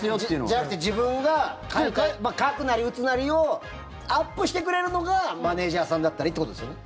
じゃなくて自分が書くなり打つなりをアップしてくれるのがマネジャーさんだったりってことですよね？